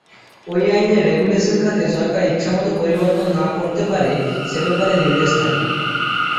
ওই আইনের রেগুলেশন খাতে সরকার ইচ্ছামত পরিবর্তন না করতে পারে সে ব্যাপারে নির্দেশ থাকে।